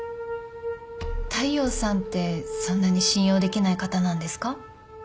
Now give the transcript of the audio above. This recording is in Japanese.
大陽さんってそんなに信用できない方なんですか？